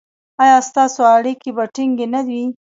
ایا ستاسو اړیکې به ټینګې نه وي؟